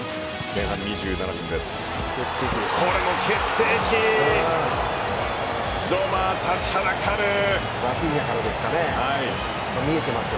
前半２７分です。